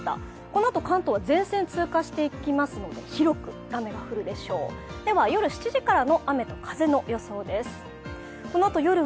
このあと、関東は前線が通過していきますので、広く雨が降るでしょうでは、夜７時からの雨と風の予想です。